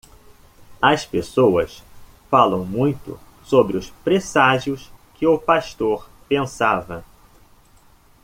As pessoas falam muito sobre os presságios que o pastor pensava.